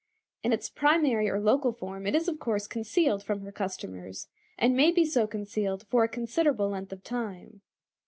In its primary or local form it is of course concealed from her customers, and may be so concealed for a considerable length of time.